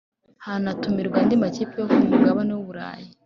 hanatumirwa andi makipe yo ku mugabane w’Uburayi